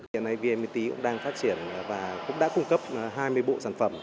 hiện nay vnpt cũng đang phát triển và cũng đã cung cấp hai mươi bộ sản phẩm